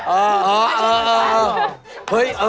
เข้าใจปะเออเออเออ